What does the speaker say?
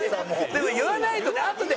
でも言わないとあとで。